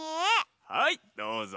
はいどうぞ！